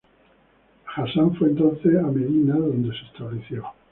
Hasan fue entonces a Medina donde se estableció.